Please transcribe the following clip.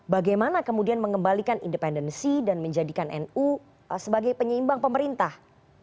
bagaimana kemudian mengembalikan independensi dan menjadikan nu sebagai penyeimbang pemerintah